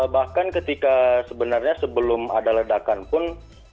bahkan ketika sebenarnya sebelum ada ledakan pun